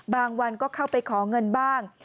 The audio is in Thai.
บางวันก็เข้าไปขอเงินบ้าง